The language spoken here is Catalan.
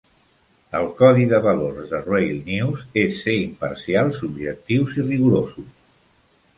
El codi de valors de "Railnews" és ser "imparcials, objectius i rigorosos".